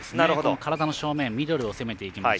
体の正面ミドルを攻めていきました。